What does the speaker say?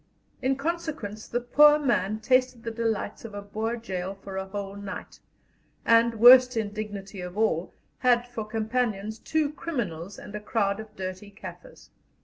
In consequence the poor man tasted the delights of a Boer gaol for a whole night, and, worst indignity of all, had for companions two criminals and a crowd of dirty Kaffirs.